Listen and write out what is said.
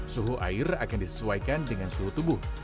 suhu air akan disesuaikan dengan suhu tubuh